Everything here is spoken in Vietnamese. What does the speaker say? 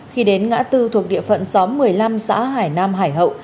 khi đến ngã tư thuộc địa phận xóm một mươi năm xã hải nam hải hậu